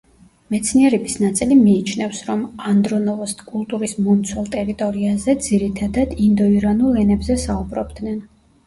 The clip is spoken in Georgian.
მეცნიერების ნაწილი მიიჩნევს, რომ ანდრონოვოს კულტურის მომცველ ტერიტორიაზე ძირითადად ინდოირანულ ენებზე საუბრობდნენ.